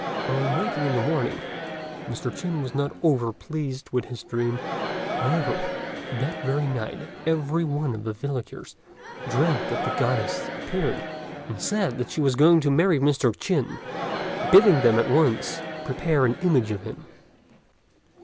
On waking in the morning, Mr. Chin was not over pleased with his dream; however that very night every one of the villagers dreamt that the Goddess appeared and said she was going to marry Mr. Chin, bidding them at once prepare an image of him.